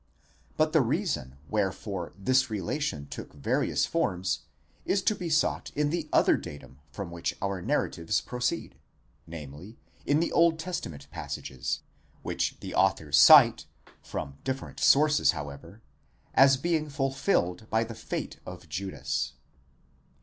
But the reason wherefore this relation took various forms is to be sought in the other datum from which our narratives proceed, namely, in the Old Testament passages, which the authors cite (from different sources, however), as being fulfilled by the fate of Judas.